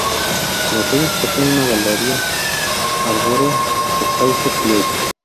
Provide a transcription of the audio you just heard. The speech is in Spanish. Los ríos poseen una galería arbórea de sauce criollo.